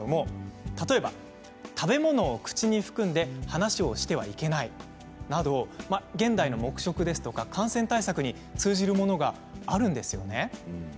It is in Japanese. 例えば食べ物を口に含んで話をしてはいけないなど現代の黙食や感染対策に通じるものがあるんですよね。